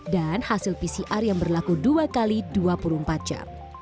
dan hasil pcr yang berlaku dua x dua puluh empat jam